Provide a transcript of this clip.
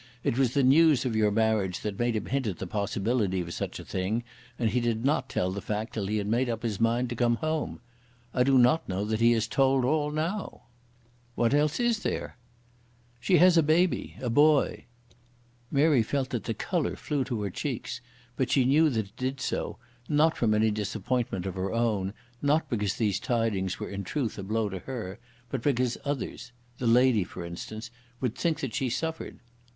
It was the news of your marriage that made him hint at the possibility of such a thing; and he did not tell the fact till he had made up his mind to come home. I do not know that he has told all now." "What else is there?" "She has a baby, a boy." Mary felt that the colour flew to her cheeks; but she knew that it did so, not from any disappointment of her own, not because these tidings were in truth a blow to her, but because others, this lady, for instance, would think that she suffered.